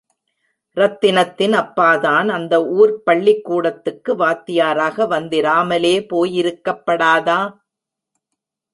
ரத்தினத்தின் அப்பாதான் அந்த ஊர்ப் பள்ளிக்கூடத்துக்கு வாத்தியாராக வந்திராமலே போயிருக்கப்படாதா?